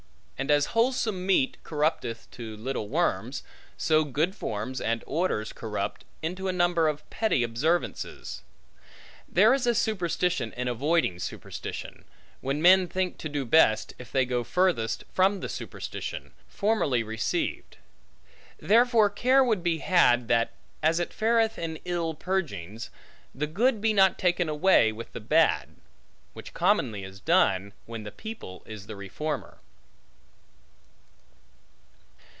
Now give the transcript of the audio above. And as wholesome meat corrupteth to little worms, so good forms and orders corrupt, into a number of petty observances. There is a superstition in avoiding superstition, when men think to do best, if they go furthest from the superstition, formerly received; therefore care would be had that (as it fareth in ill purgings) the good be not taken away with the bad; which commonly is done, when the people is the reformer.